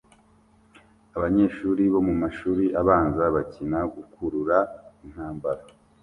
Abanyeshuri bo mumashuri abanza bakina gukurura intambara